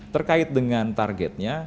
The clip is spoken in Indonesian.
terkait dengan targetnya